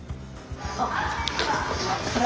あっ！